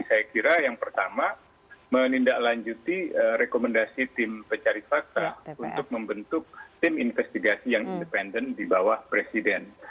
saya kira yang pertama menindaklanjuti rekomendasi tim pencari fakta untuk membentuk tim investigasi yang independen di bawah presiden